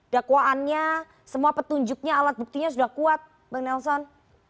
dakwaannya semua petunjuknya alat buktinya sudah kuat bang nelson